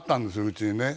うちにね。